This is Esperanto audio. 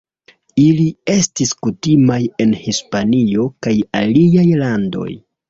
Ili estis kutimaj en Hispanio kaj aliaj landoj.